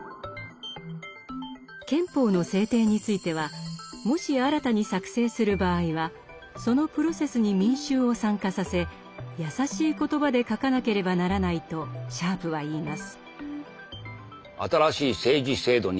憲法の制定についてはもし新たに作成する場合はそのプロセスに民衆を参加させ易しい言葉で書かなければならないとシャープは言います。